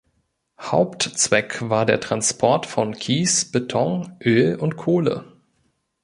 Hauptzweck war der Transport von Kies, Beton, Öl und Kohle.